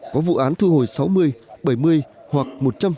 có vụ án thu hồi sáu mươi bảy mươi hoặc một trăm linh